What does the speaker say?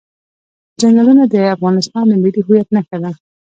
چنګلونه د افغانستان د ملي هویت نښه ده.